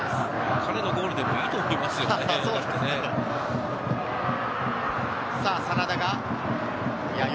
彼のゴールでもいいと思いますよ。